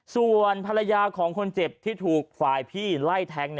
ส่วนภรรยาของคนเจ็บที่ถูกฝ่ายพี่ไล่แทง